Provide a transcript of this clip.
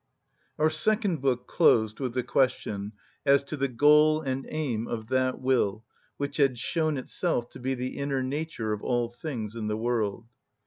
Our second book closed with the question as to the goal and aim of that will which had shown itself to be the inner nature of all things in the world.